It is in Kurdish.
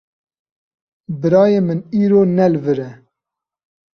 Birayê min îro ne li vir e.